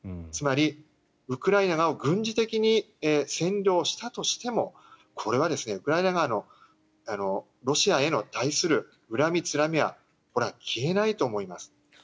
つまりウクライナを軍事的に占領したとしてもこれはウクライナ側のロシアに対する恨みつらみはこれは消えないと思います。